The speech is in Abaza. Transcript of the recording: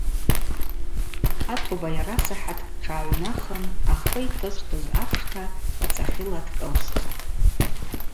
Атоба йарасахӏаткӏ тшгӏагӏвнахын ахы йтышвтыз апшта ацӏахьыла дкӏылшвттӏ.